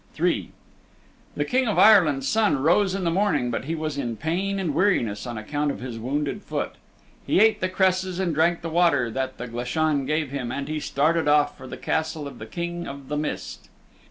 III The King of Ireland's Son rose in the morning but he was in pain and weariness on account of his wounded foot. He ate the cresses and drank the water that the Glashan gave him, and he started off for the Castle of the King of the Mist.